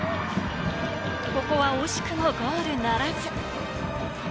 ここは惜しくもゴールならず。